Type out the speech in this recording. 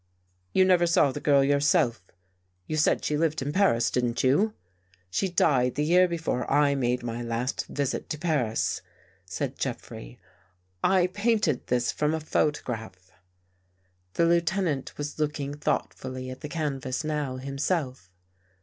" You never saw the girl yourself? You said she lived in Paris, didn't you?" " She died the year before I made my last visit to Paris," said Jeffrey. " I painted this from a photograph." The Lieutenant was looking thoughtfully at the canvas now himself.